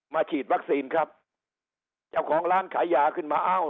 ฉีดวัคซีนครับเจ้าของร้านขายยาขึ้นมาเอ้า